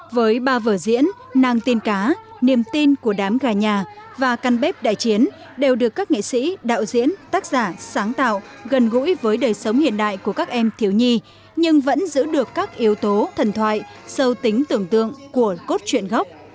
với ba vở diễn nang tin cá niềm tin của đám gà nhà và căn bếp đại chiến đều được các nghệ sĩ đạo diễn tác giả sáng tạo gần gũi với đời sống hiện đại của các em thiếu nhi nhưng vẫn giữ được các yếu tố thần thoại sâu tính tưởng tượng của cốt truyện gốc